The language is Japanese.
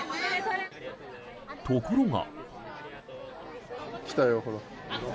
ところが。